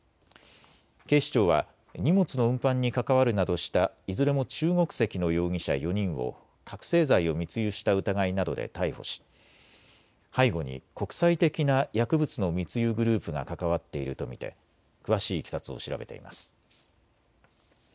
警視庁は荷物の運搬に関わるなどしたいずれも中国籍の容疑者４人を覚醒剤を密輸した疑いなどで逮捕し背後に国際的な薬物の密輸グループが関わっていると見て詳しいいきさつを調べています。